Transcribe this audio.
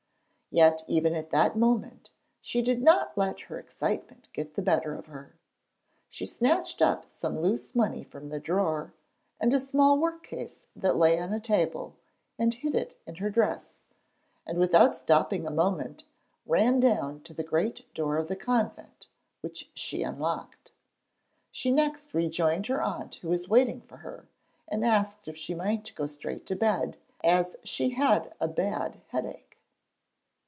Yet even at that moment, she did not let her excitement get the better of her. She snatched up some loose money from the drawer and a small work case that lay on a table and hid it in her dress, and without stopping a moment ran down to the great door of the convent, which she unlocked. She next rejoined her aunt who was waiting for her, and asked if she might go straight to bed, as she had a bad headache.